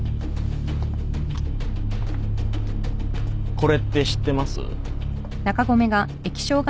これって知ってます？